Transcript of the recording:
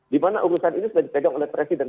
di mana urusan ini sudah dipegang oleh presiden